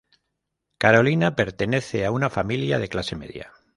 Carolina pertenece a una familia de clase media.